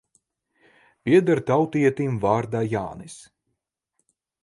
Pieder tautietim vārdā Jānis.